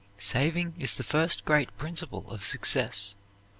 Saving is the first great principle of success.